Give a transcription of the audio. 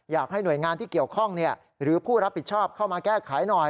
อยากให้หน่วยงานที่เกี่ยวข้องหรือผู้รับผิดชอบเข้ามาแก้ไขหน่อย